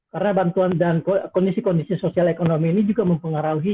karena bantuan dan kondisi kondisi sosial ekonomi ini juga mempengaruhi